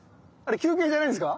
休憩じゃないんですか？